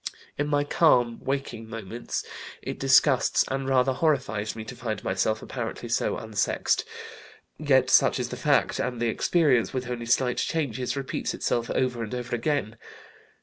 In my calm, waking moments it disgusts and rather horrifies me to find myself apparently so unsexed yet such is the fact, and the experience, with only slight changes, repeats itself over and over again.